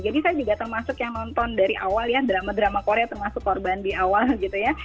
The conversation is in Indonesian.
jadi saya juga termasuk yang nonton dari awal ya drama drama korea termasuk korban di awal gitu ya